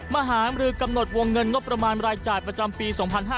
มหามรือกำหนดวงเงินงบประมาณรายจ่ายประจำปี๒๕๕๙